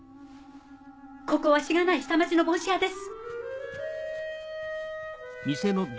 ここはしがない下町の帽子屋です。